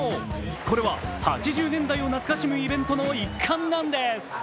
これは８０年代を懐かしむイベントの一環なんです。